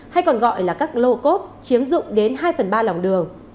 hay còn gọi là các lô cốt chiếm dụng đến hai phần ba lòng đường